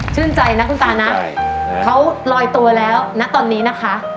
ใจนะคุณตานะเขาลอยตัวแล้วนะตอนนี้นะคะ